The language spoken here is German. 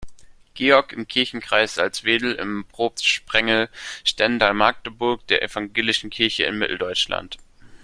Georg im Kirchenkreis Salzwedel im Propstsprengel Stendal-Magdeburg der Evangelischen Kirche in Mitteldeutschland.